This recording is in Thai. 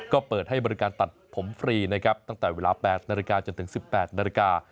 ก็เปิดให้บริการตัดผมฟรีนะครับตั้งแต่เวลา๘นาฬิกาจนถึง๑๘นาฬิกา